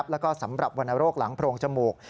แล้วก็สำหรับวรรณโรคหลังโพรงจมูก